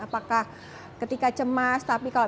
apakah ketika cemas tapi kalau